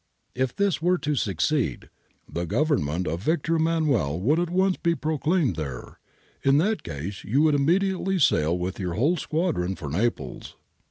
If this were to succeed, the government of Victor Emmanuel would at once be proclaimed there. In that case you would immediately sail with your whole squadron for Naples.'